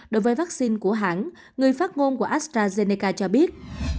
đối với vaccine của hãng người phát ngôn của astrazeneca cho biết